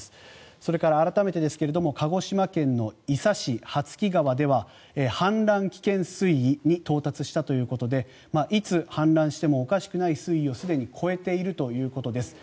それから改めてですが鹿児島県の伊佐市・羽月川では氾濫危険水位に到達したということでいつ氾濫してもおかしくない水位をすでに超えているということです。